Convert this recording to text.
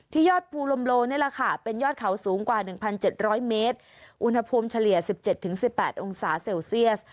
ยอดภูลมโลนี่แหละค่ะเป็นยอดเขาสูงกว่า๑๗๐๐เมตรอุณหภูมิเฉลี่ย๑๗๑๘องศาเซลเซียส